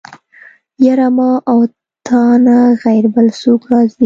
يره ما او تانه غير بل څوک راځي.